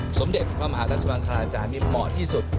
สมเด็จพระมหารัชมังคลาจารย์นี่เหมาะที่สุด